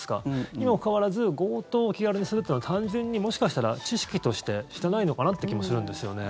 にもかかわらず強盗を気軽にするっていうのは単純に、もしかしたら知識として知ってないのかなって気もするんですよね。